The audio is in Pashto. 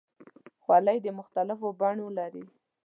خولۍ د مختلفو بڼو لري.